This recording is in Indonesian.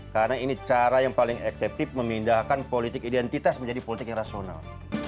karena ini cara yang paling ekseptif memindahkan politik identitas menjadi politik yang rasional